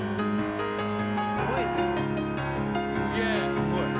すごいね！